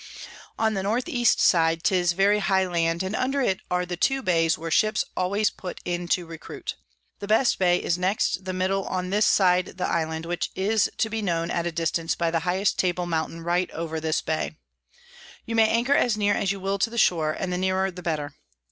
On the N E. side 'tis very high Land, and under it are the two Bays where Ships always put in to recruit. The best Bay is next the middle on this side the Island, which is to be known at a distance by the highest Table Mountain right over this Bay. You may anchor as near as you will to the shore, and the nearer the better.